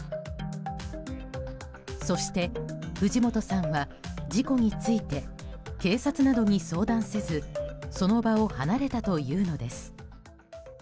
そして藤本さんは事故について警察などに相談せずその場を離れたというのです。